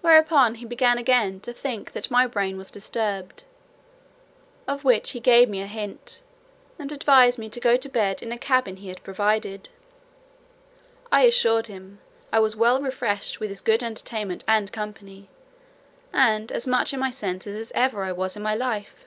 Whereupon he began again to think that my brain was disturbed, of which he gave me a hint, and advised me to go to bed in a cabin he had provided. I assured him, "I was well refreshed with his good entertainment and company, and as much in my senses as ever I was in my life."